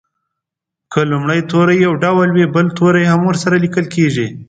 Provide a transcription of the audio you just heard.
که لومړی توری یو ډول وي بل توری هم ورسره لیکل کیږي.